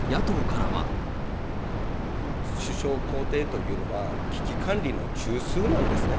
首相公邸というのは、危機管理の中枢なんですね。